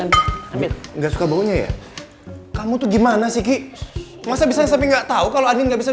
ambil nggak suka baunya ya kamu tuh gimana sih masa bisa sampai nggak tahu kalau ada yang nggak